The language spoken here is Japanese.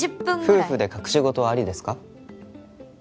「夫婦で隠し事はありですか？」